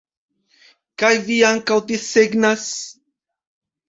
Kaj vi ankaŭ desegnas?